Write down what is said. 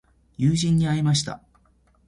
友人に会いました。